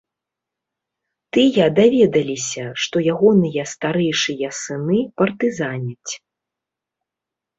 Тыя даведаліся, што ягоныя старэйшыя сыны партызаняць.